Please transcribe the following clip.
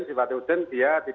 sifatnya urgen dia tidak